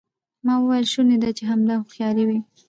ما وویل شونې ده چې همدا هوښیاري وي.